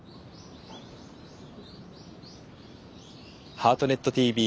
「ハートネットＴＶ」